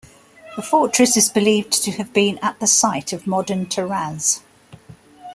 The fortress is believed to have been at the site of modern Taraz.